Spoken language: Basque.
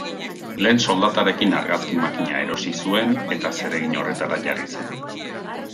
Lehen soldatarekin argazki-makina erosi zuen, eta zeregin horretara jarri zen.